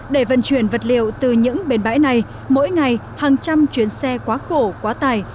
để vận chuyển vật liệu từ những bến bãi này mỗi ngày hàng trăm chuyến xe quá khổ quá tải